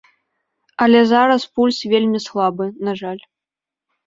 Але зараз пульс вельмі слабы, на жаль.